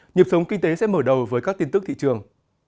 nhịp sống kinh tế sẽ mở đầu với các tin tức thị trường